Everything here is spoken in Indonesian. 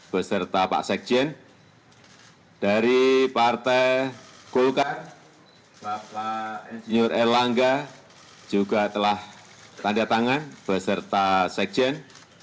bapak sekjen dari partai kulkar bapak ingeniur el langga juga telah tanda tangan beserta sekjen